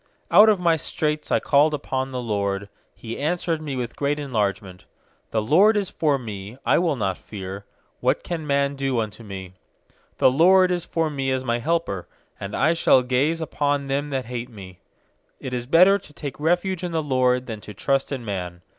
fiOut of my straits I called upon the LORD; He answered me with great en largement, i 6The LORD is forme; I will not fear; What can man do unto me? 7The LORD is for me as my helper; And I shall gaze upon them that hate me. 8It is better to take refuge in the LORD Than to trust in man.